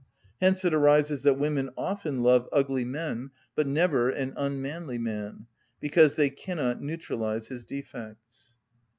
Hence it arises that women often love ugly men, but never an unmanly man, because they cannot neutralise his defects.